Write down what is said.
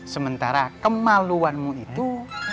sementara kemaluanmu itu